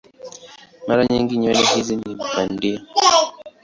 Mara nyingi nywele hizi ni bandia.